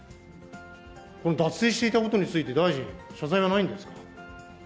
この脱税していたことについて大臣、謝罪はないんですか？